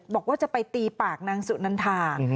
บอกว่าจะไปตีปากนางสุนันทา